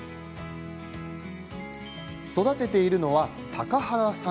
育てているのは、高原山椒。